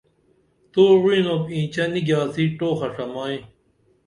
تو وعِنُوپ اینچہ نی گِیاڅی ٹوخہ څمائی